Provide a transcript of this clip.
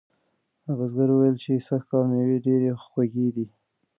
بزګر وویل چې سږکال مېوې ډیرې خوږې دي.